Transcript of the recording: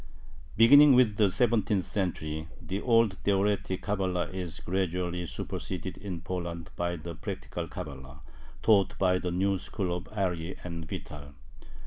Beginning with the seventeenth century, the old Theoretic Cabala is gradually superseded in Poland by the Practical Cabala, taught by the new school of ARI and Vital.